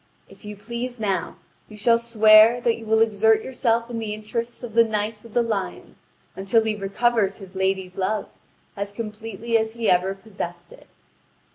If you please now, you shall swear that you will exert yourself in the interests of the Knight with the Lion until he recover his lady's love as completely as he ever possessed it."